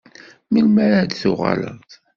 Melmi ara d-tuɣaleḍ?